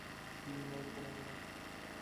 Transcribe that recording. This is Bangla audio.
ওর উপর নজর রাখো।